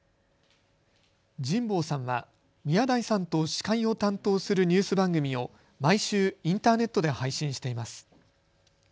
神保さんは宮台さんと司会を担当するニュース番組を毎週、インターネットで配信しています。